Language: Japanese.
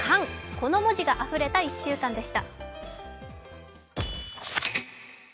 この文字があふれた１週間でした。